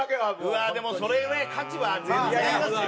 うわーでもそれぐらい価値は全然ありますよ。